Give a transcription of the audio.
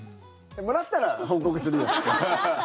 もらったら報告するよ。